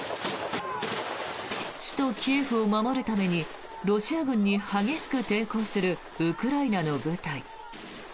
首都キエフを守るためにロシア軍に激しく抵抗するウクライナの部隊。